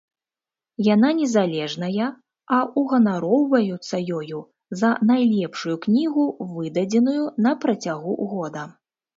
Яна незалежная, а ўганароўваюцца ёю за найлепшую кнігу, выдадзеную на працягу года.